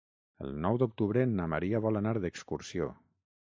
El nou d'octubre na Maria vol anar d'excursió.